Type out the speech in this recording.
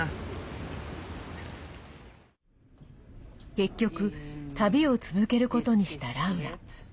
結局、旅を続けることにしたラウラ。